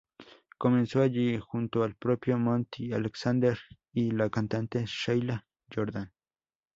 Comenzó allí junto al propio Monty Alexander y la cantante Sheila Jordan.